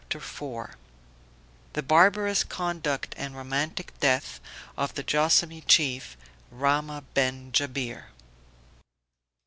_] THE BARBAROUS CONDUCT AND ROMANTIC DEATH OF THE JOASSAMEE CHIEF, RAHMAH BEN JABIR.